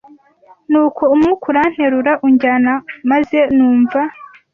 Nuko umwuka uranterura uranjyana n maze numva